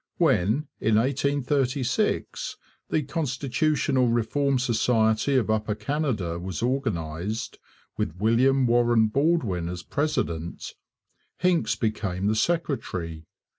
When in 1836 the Constitutional Reform Society of Upper Canada was organized, with William Warren Baldwin as president, Hincks became the secretary.